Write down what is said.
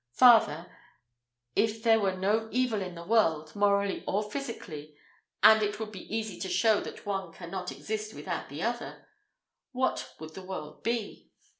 Farther, if there were no evil in the world, morally or physically, and it would be easy to show that one cannot exist without the other what would the world be?